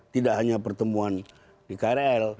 tidak hanya pertemuan di krl